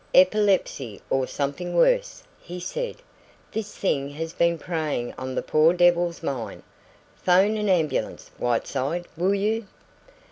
"Epilepsy or something worse," he said. "This thing has been preying on the poor devil's mind 'phone an ambulance, Whiteside, will you?"